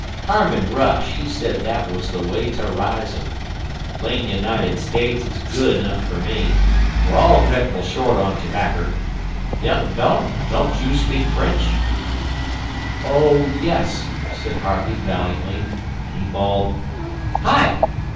"Harmon Rush he said that was the way to rise 'em. Plain United States is good enough fer me. We're all dretful short on terbakker. Young feller, don't you speak French?" "Oh, yes," said Harvey valiantly; and he bawled: "Hi!